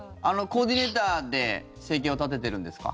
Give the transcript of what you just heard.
コーディネーターで生計を立ててるんですか？